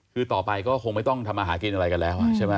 คือต่อไปก็คงไม่ต้องทำอาหารกินอะไรกันแล้วใช่ไหม